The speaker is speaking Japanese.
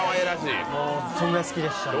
そのぐらい好きでしたね。